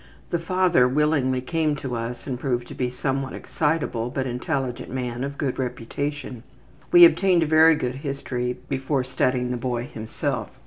The father willingly came to see us and proved to be a somewhat excitable, but intelligent man of good reputation. We obtained a very good history before studying the boy himself.